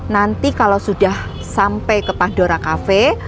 nanti kalau sudah sampai ke pandora kafe